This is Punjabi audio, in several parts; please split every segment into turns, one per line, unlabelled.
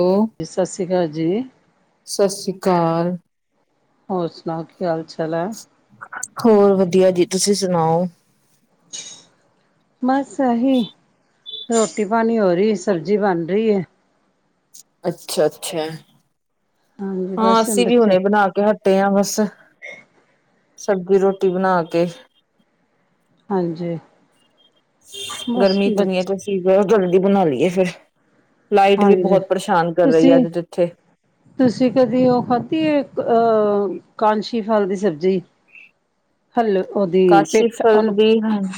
ਉਹ
ਜੀ ਸਤਿ ਸ਼੍ਰੀ ਅਕਾਲ ਜੀ।
ਸਤਿ ਸ਼੍ਰੀ ਅਕਾਲ
ਹੋਰ ਸੁਣਾਓ ਕੀ ਹਾਲ ਚਾਲ ਐ?
ਹੋਰ ਵਧੀਆ ਜੀ, ਤੁਸੀਂ ਸੁਣਾਓ?
ਬਸ ਐਹੀ, ਰੋਟੀ ਪਾਣੀ ਹੋ ਰੀ ਸਬਜ਼ੀ ਬਣ ਰੀ ਐ।
ਅੱਛਾ-ਅੱਛਾ,
ਹਾਂਜੀ
ਹਾਂ
ਬਸ
ਅਸੀਂ ਵੀ
ਬੱਚੇ
ਹੁਣੇ ਬਣਾ ਕੇ ਹਟੇ ਆ ਬਸ ਸਬਜ਼ੀ ਰੋਟੀ ਬਣਾ ਕੇ
ਹਾਂਜੀ। ਬਸ
ਗਰਮੀ ਇਤਨੀ ਹੈ
ਬੱਚੇ
ਤਾਂ ਚੀਜ਼ ਮੈਂ ਕੇਹਾ, ਜਲਦੀ ਬਣਾ ਲਈਏ ਫਿਰ ਲਾਈਟ ਵੀ
ਹਾਂਜੀ
ਬਹੁਤ ਪਰੇਸ਼ਾਨ ਕਰ ਰਹੀ ਹੈ
ਤੁਸੀਂ
ਅੱਜ ਤੇ ਈਥੇ
ਤੁਸੀਂ ਕਦੀ ਉਹ ਖਾਧੀ ਹੈ, ਅਹ ਕਾਂਸ਼ੀ ਫਲ ਦੀ ਸਬਜ਼ੀ ਹੱਲ ਉਹਦੀ
ਕਾਸ਼ੀ
ਪੇਠਾ
ਫਲ
ਉਹਨੂੰ
ਦੀ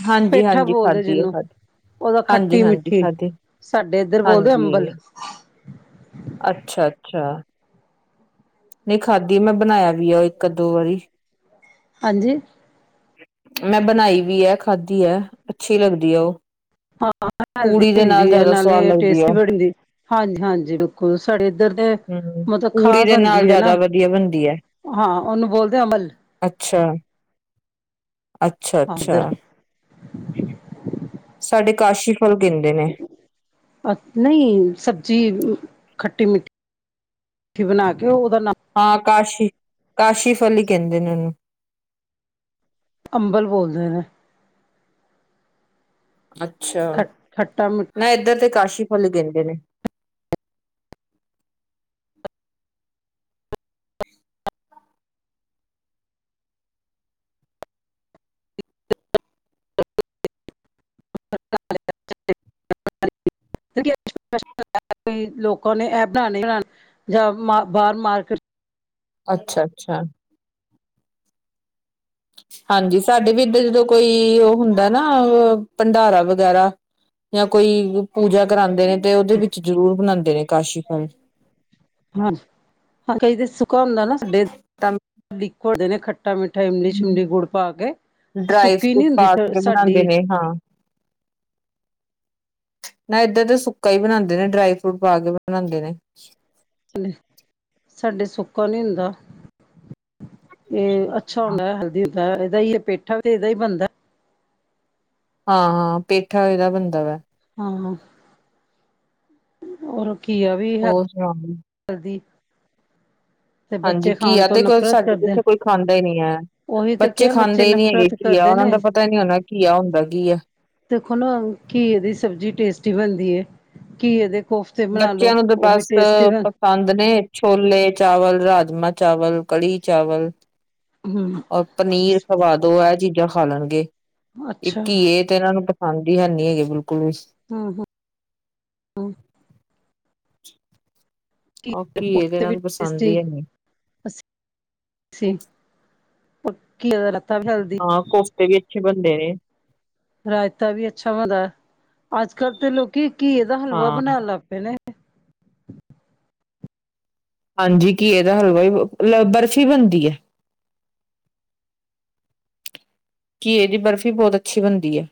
ਹਾਂਜੀ
ਪੇਠਾ
ਹਾਂਜੀ
ਬੋਲਦੇ
ਖਾਧੀ ਹੈ
ਜਿਹਨੂੰ
ਖਾਧੀ
ਉਹਦਾ
ਹਾਂਜੀ
ਖੱਟੀ
ਹਾਂਜੀ
ਮਿੱਠੀ
ਖਾਧੀ
ਸਾਡੇ ਇੱਧਰ ਬੋਲਦੇ ਅੰਬਲ
ਅੱਛਾ-ਅੱਛਾ ਨਹੀਂ ਖਾਧੀ ਮੈਂ ਬਣਾਇਆ ਵੀ ਆ ਇੱਕ ਦੋ ਵਾਰੀ
ਹਾਂਜੀ
ਮੈਂ ਬਣਾਈ ਵੀ ਹੈ ਖਾਧੀ ਹੈ ਅੱਛੀ ਲੱਗਦੀ ਹੈ ਉਹ
ਹਾਂ, ਹੈਲਦੀ
ਪੂੜੀ ਦੇ ਨਾਲ
ਹੁੰਦੀ ਹੈ।
ਜ਼ਿਆਦਾ ਸਵਾਦ
ਨਾਲੇ
ਲੱਗਦੀ ਆ
ਟੇਸਟੀ ਬੜੀ ਹੁੰਦੀ। ਹਾਂਜੀ, ਹਾਂਜੀ ਬਿਲਕੁਲ ਸਾਡੇ ਇੱਧਰ ਦੇ
ਹੂੰ।
ਮਤਲਬ
ਪੂੜੀ
ਖਾਸ
ਦੇ ਨਾਲ
ਬਣਦੀ ਹੈ। ਹੈਨਾ,
ਜ਼ਿਆਦਾ ਵਧੀਆ ਬਣਦੀ ਐ।
ਹਾਂ ਉਹਨੂੰ ਬੋਲਦੇ ਅਮਲ।
ਅੱਛਾ, ਅੱਛਾ-
ਹਾਂ
ਅੱਛਾ
ਇੱਧਰ
ਸਾਡੇ ਕਾਸ਼ੀ ਫਲ ਕਹਿੰਦੇ ਨੇ।
ਨਹੀਂ, ਸਬਜ਼ੀ ਖੱਟੀ ਮਿੱਠੀ। ਕਿ, ਬਣਾ ਕੇ ਉਹਦਾ ਨਾ
ਹਾਂ, ਕਾਸ਼ੀ, ਕਾਸ਼ੀ ਫਲ ਹੀ ਕਹਿੰਦੇ ਨੇ, ਉਹਨੂੰ
ਅੰਬਲ ਬੋਲਦੇ ਨੇ।
ਅੱਛਾ,
ਖ ਖੱਟਾ ਮਿੱਠਾ
ਨਾ ਇੱਧਰ 'ਤੇ ਕਾਸ਼ੀ ਫ਼ਲ ਕਹਿੰਦੇ ਨੇ।
[inaudible]
[inaudible]
[unintelligible] ਲੋਕਾਂ ਨੇ ਏ ਬਨਾਣਾ ਹੀ ਬਨਾਣਾ ਜਾਂ ਬਾਰ ਮਾਰਕੀਟ।
ਅੱਛਾ, ਅੱਛਾ ਹਾਂਜੀ, ਸਾਡੇ ਵੀ ਇੱਧਰ ਜਦੋਂ ਕੋਈ, ਉਹ ਹੁੰਦਾ ਨਾ ਭੰਡਾਰਾ ਵਗੈਰਾ। ਜਾਂ ਕੋਈ ਪੂਜਾ ਕਰਾਉਂਦੇ ਨੇ, ਤੇ ਉਹਦੇ ਵਿੱਚ ਜ਼ਰੂਰ ਬਣਾਉਂਦੇ ਨੇ ਕਾਸ਼ੀ ਫ਼ਲ।
ਹਾਂਜੀ, ਹਾਂ ਕਈ 'ਤੇ ਸੁੱਕਾ ਹੁੰਦਾ ਨਾ, ਸਾਡੇ
ਤਾਂ
ਲਿਕੁਇਡ ਹੁਂਦੇ ਨੇ ਖਟੇ - ਖੱਟਾ -ਮਿੱਠਾ, ਇਮਲੀ- ਸ਼ਿਮਲੀ, ਗੁੜ ਪਾ ਕੇ
ਡਰਾਈ
ਸੁੱਕੀ
ਫਰੂਟ
ਨੀ ਹੁੰਦੀ
ਪਾ ਕੇ ਬਣਾਂਦੇ
ਸਾਡੀ।
ਨੇ [inaudible] ਨਾ ਇਧਰ ਤਾਂ ਸੁੱਕਾ ਹੀ ਬਣਾਉਂਦੇ ਨੇ, ਡਰਾਈ ਫਰੂਟ ਪਾ ਕੇ ਬਣਾਉਂਦੇ ਨੇ।
ਹੂ, ਸਾਡੇ ਸੁੱਕਾ ਨੀ ਹੁੰਦਾ। ਇਹ ਅੱਛਾ ਹੁੰਦਾ, ਹੈਲਦੀ ਹੁੰਦਾ, ਇਹਦਾ ਹੀ ਏ, ਪੇਠਾ ਵੀ 'ਤੇ ਇਹਦਾ ਹੀ ਬਣਦਾ।
ਹਾਂ ਹਾਂ, ਪੇਠਾ ਇਹਦਾ ਬਣਦਾ ਵਾ।
ਹਾਂ ਔਰ ਉਹ ਘਿਆ ਵੀ।
ਹੋਰ ਸੁਣਾਓ ਜੀ।
ਕਰਦੀ
ਹਾਂਜੀ, ਘਿਆ 'ਤੇ ਕੋਈ ਸਾਡੇ ਇੱਥੇ ਕੋਈ ਖਾਂਦਾ ਹੀ ਨਹੀਂ ਏ,
ਉਹੀ ਤੇ
ਬੱਚੇ
ਕਿਹਾ
ਖਾਂਦੇ ਹੀ ਨਹੀਂ ਹੈਗੇ।
ਨਫ਼ਰਤ
ਘਿਆ ਦਾ ਤਾਂ
ਕਰਦੇ
ਉਹਨਾ
ਨੇ
ਦਾ ਪਤਾ ਹੀ ਨਹੀਂ ਹੋਣਾ। ਘਿਆ ਹੁੰਦਾ ਕੀ ਹੈ?
ਦੇਖੋ ਨਾ ਘੀਏ ਦੀ ਸਬਜ਼ੀ ਟੇਸਟੀ ਬਣਦੀ ਏ, ਘਿਏ ਦੇ ਕੋਫ਼ -
ਬੱਚਿਆਂ ਨੂੰ 'ਤੇ ਬਸ- ਪਸੰਦ ਨੇ, ਛੋਲੇ ਚਾਵਲ, ਰਾਜਮਾ ਚਾਵਲ, ਕੜੀ ਚਾਵਲ।
ਹੂ
ਔਰ ਪਨੀਰ ਖਵਾ ਦੋ, ਇਹ ਚੀਜ਼ਾਂ ਖਾ ਲੈਣਗੇ, ਇੱਕ
ਅੱਛਾ
ਘੀਏ- ਇੱਕ ਤੇ ਇਹਨਾਂ ਨੂੰ ਪਸੰਦ ਹੀ ਹੈਨੀ ਬਿਲਕੁਲ ਵੀ।
ਹੂੰ, ਹੂੰ
[inaudible]
ਇੱਕ
ਉਹ
ਤੇ
ਘੀਏ
ਕੋਫ਼ਤੇ
ਇਹਨਾਂ
ਵੀ
ਨੂੰ ਪਸੰਦ ਹੀ
ਟੇਸਟੀ।
ਹੈਨੀ
ਅੱ ਪੱਕੀ ਉਹਦਾ [unintelligible]
ਹਾਂ, ਕੋਫਤੇ ਵੀ ਅੱਛੇ ਬਣਦੇ ਨੇ।
ਰਾਇਤਾ ਵੀ ਅੱਛਾ ਭਲਾ ਏ, ਅੱਜ ਕੱਲ 'ਤੇ ਲੋਕੀ ਘੀਏ ਦਾ ਹਲਵਾ
ਹਾਂ
ਬਣਾਉਣ ਲੱਗ ਪਏ ਨੇ।
ਹਾਂਜੀ, ਘੀਏ ਦਾ ਹਲਵਾ ਵੀ, ਬਰਫ਼ ਬਣਦੀ ਏ। ਘੀਏ ਦੀ ਬਰਫ਼ੀ ਬਹੁਤ ਅੱਛੀ ਬਣਦੀ ਏ।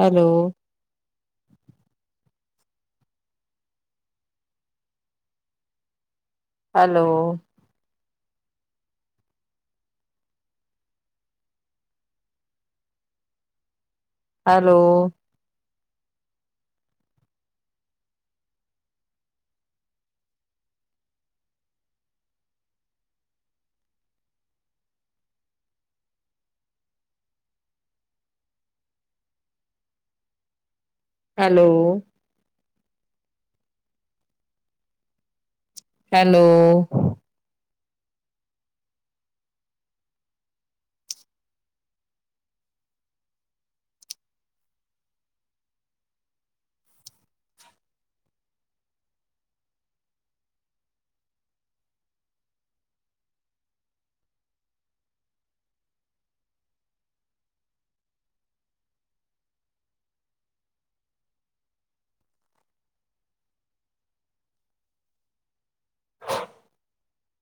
Hello. Hello hello hello hello